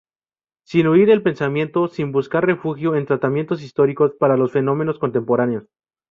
Sin huir el pensamiento, sin buscar refugio en tratamientos históricos para los fenómenos contemporáneos.